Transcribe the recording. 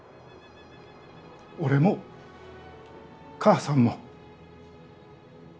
俺も母さんも。